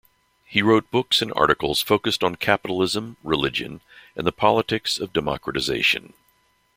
He wrote books and articles focused on capitalism, religion, and the politics of democratization.